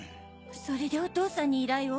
それでお父さんに依頼を？